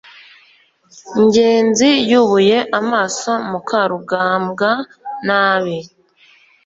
ngenzi yubuye amaso mukarugambwa nabi